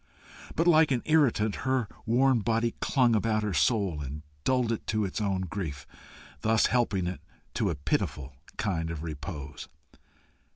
But like an irritant, her worn body clung about her soul and dulled it to its own grief, thus helping it to a pitiful kind of repose.